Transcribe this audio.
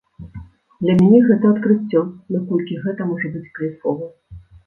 Для мяне гэта адкрыццё, наколькі гэта можа быць кайфова.